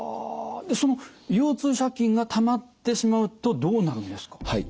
その腰痛借金がたまってしまうとどうなるんですか？